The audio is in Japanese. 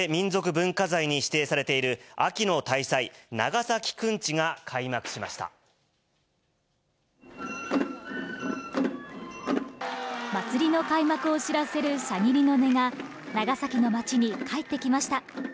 文化財に指定されている秋の大祭、長崎くんちが祭りの開幕を知らせるシャギリの音が、長崎の街に帰ってきました。